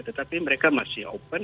tetapi mereka masih open